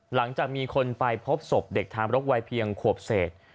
หลังจากมีคนไปพบศพเด็กทามรกวัยเพียงขวบเศษ